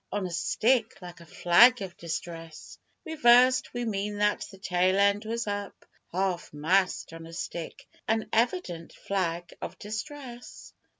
(On a stick, like a flag of distress Reversed we mean that the tail end was up Half mast on a stick an evident flag of distress.)